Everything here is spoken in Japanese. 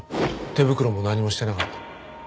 手袋も何もしてなかった。